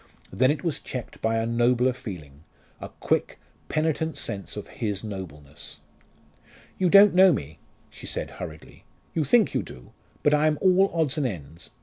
Then it was checked by a nobler feeling a quick, penitent sense of his nobleness. "You don't know me," she said hurriedly: "you think you do. But I am all odds and ends.